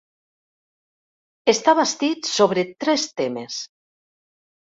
Està bastit sobre tres temes.